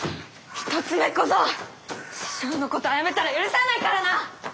一つ目小僧師匠のこと殺めたら許さないからな！